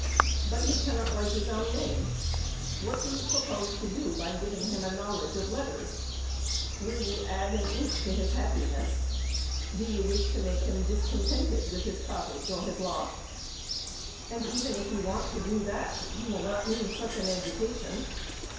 But he cannot write his own name. What do you propose to do by giving him a knowledge of letters? Will you add an inch to his happiness? Do you wish to make him discontented with his cottage or his lot? And even if you want to do that, he will not need such an education.